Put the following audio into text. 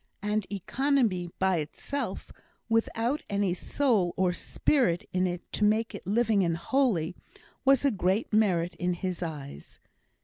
And economy by itself, without any soul or spirit in it to make it living and holy, was a great merit in his eyes.